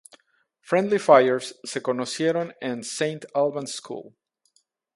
Friendly Fires se conocieron en St Albans School.